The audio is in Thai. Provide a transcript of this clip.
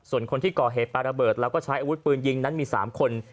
ส่วนคนที่ก่อเหตุปลาระเบิดแล้วก็ใช้อาวุธปืนยิงนั้นมี๓คน